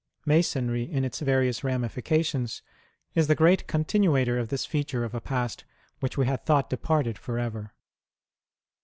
Masonry in its various ramifications is the great continuator of this feature of a past which we had thought departed for ever.